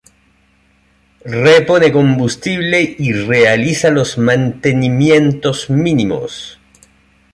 Repone combustible y realiza los mantenimientos mínimos.